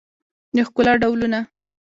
د ښکلا ډولونه